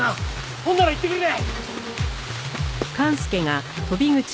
ほんなら行ってくるで！